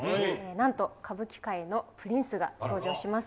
なんと歌舞伎界のプリンスが登場します。